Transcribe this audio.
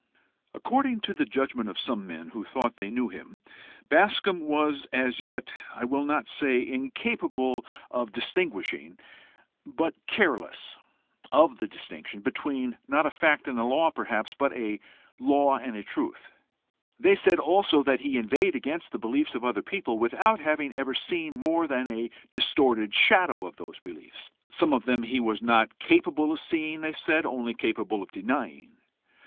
According to the judgment of some men who thought they knew him, Bascombe was as yet I will not say incapable of distinguishing, but careless of the distinction between not a fact and a law, perhaps, but a law and a truth. They said also that he inveighed against the beliefs of other people, without having ever seen more than a distorted shadow of those beliefs some of them he was not capable of seeing, they said only capable of denying.